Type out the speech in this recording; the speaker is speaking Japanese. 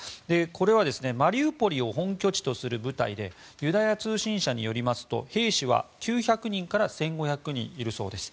これはマリウポリを本拠地とする部隊でユダヤ通信社によりますと兵士は９００人から１５００人いるそうです。